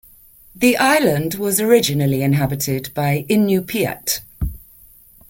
The island was originally inhabited by Inupiat.